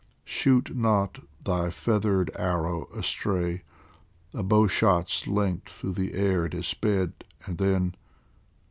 Shoot not thy feathered arrow astray ! A bow shot's length through the air it has sped, And then